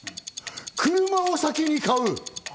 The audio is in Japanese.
車を先に買う。